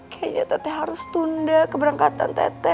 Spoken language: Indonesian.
kayaknya tete harus tunda keberangkatan tete